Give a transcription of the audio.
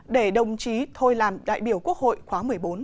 để đồng chí thôi làm đại biểu quốc hội khóa một mươi bốn